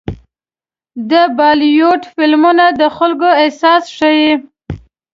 د بالیووډ فلمونه د خلکو احساس ښيي.